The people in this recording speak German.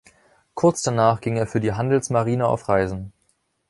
Kurz danach ging er für die Handelsmarine auf Reisen.